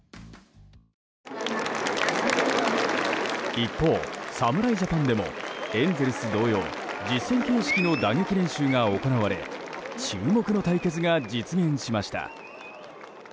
一方、侍ジャパンでもエンゼルス同様実戦形式の打撃練習が行われ注目の対決が実現しました。